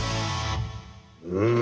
うん！